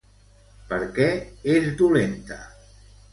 Per què és dolenta?